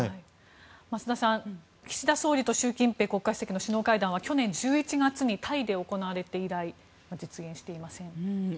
増田さん、岸田総理と習近平国家主席の首脳会談は去年１１月にタイで行われて以来実現していませんね。